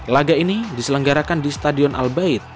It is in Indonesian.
laga ini diselenggarakan di stadion albaid